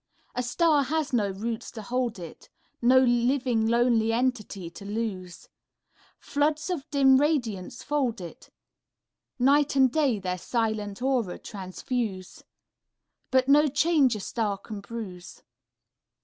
A star has do roots to hold it, No living lonely entity to lose. Floods of dim radiance fold it ; Night and day their silent aura transfuse, But no change a star oan bruise.